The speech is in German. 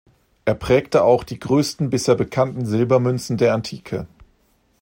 Er prägte auch die größten bisher bekannten Silbermünzen der Antike.